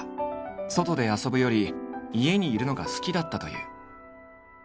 外で遊ぶより家にいるのが好きだったという。